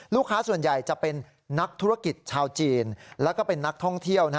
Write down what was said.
ลูกค้าส่วนใหญ่จะเป็นนักธุรกิจชาวจีนแล้วก็เป็นนักท่องเที่ยว